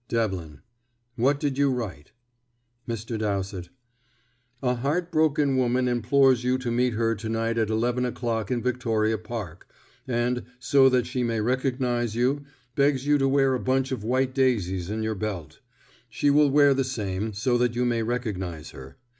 Devlin: "What did you write?" Mr. Dowsett: "A heart broken woman implores you to meet her to night at eleven o'clock in Victoria Park, and, so that she may recognise you, begs you to wear a bunch of white daisies in your belt. She will wear the same, so that you may recognise her.